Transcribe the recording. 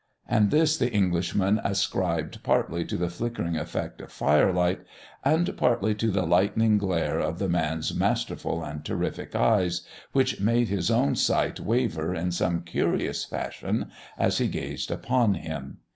And this the Englishman ascribed partly to the flickering effect of firelight, and partly to the lightning glare of the man's masterful and terrific eyes, which made his own sight waver in some curious fashion as he gazed upon him.